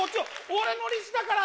俺のリチだから！